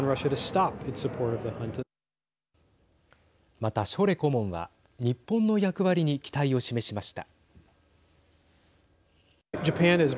またショレ顧問は日本の役割に期待を示しました。